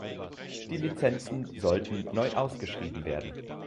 Die Lizenzen sollten neu ausgeschrieben werden.